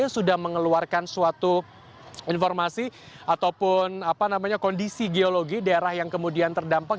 sudah mengeluarkan suatu informasi ataupun kondisi geologi daerah yang kemudian terdampak